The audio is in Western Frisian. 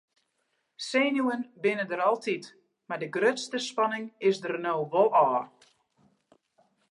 Senuwen binne der altyd mar de grutste spanning is der no wol ôf.